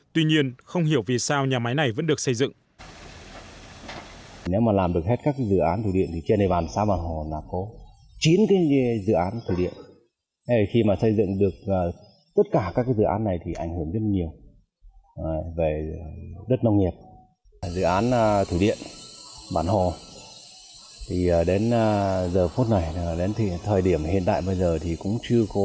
tuy nhiên không hiểu vì sao nhà máy này vẫn được xây dựng